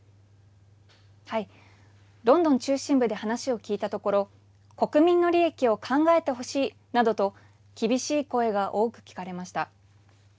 ロンドン中心部で話を聞いたところ国民の利益を考えてほしいなどと厳しい声が多く聞かれました。